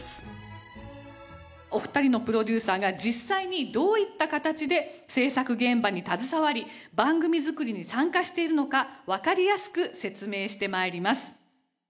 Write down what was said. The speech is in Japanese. お二人のプロデューサーが実際にどういった形で制作現場に携わり番組作りに参加しているのかわかりやすく説明して参ります。